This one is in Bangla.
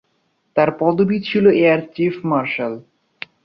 তার পদবী ছিলো এয়ার চীফ মার্শাল।